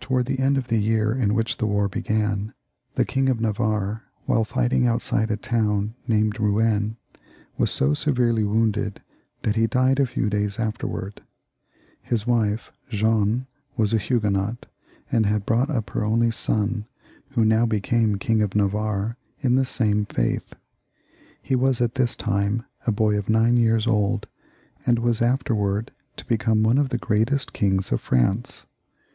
Towards the end of the year in which the war began, the King of Navarre, while fighting outside a town named Eouen, was so severely wounded that he died a few days afterwards. His wife, Jeanne, was a Hugue not, and had brought up her only son, who now became King of Navarre, in the same faith. He was at this time a boy of nine years old, and was afterwards to become one of the greatest kings of France.